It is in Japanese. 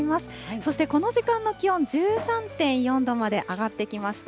そしてこの時間の気温、１３．４度まで上がってきました。